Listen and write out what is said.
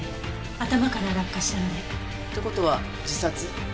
頭から落下したので。って事は自殺？